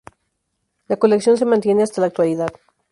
La colección se mantiene hasta la actualidad.